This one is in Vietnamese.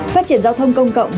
phát triển giao thông công cộng